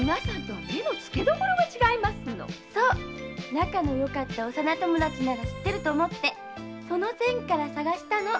仲のいい幼友達なら知ってると思ってその線から捜したの。